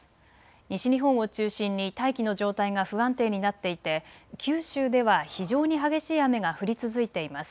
西日本を中心に大気の状態が不安定になっていて九州では非常に激しい雨が降り続いています。